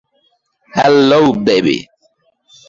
Hello, baby.